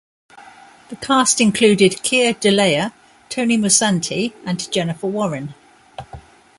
The cast included Keir Dullea, Tony Musante, and Jennifer Warren.